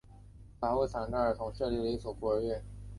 他还为残障儿童设立了一所孤儿院。